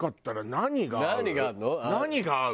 何が合う？